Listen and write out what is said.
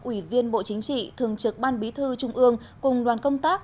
ủy viên bộ chính trị thường trực ban bí thư trung ương cùng đoàn công tác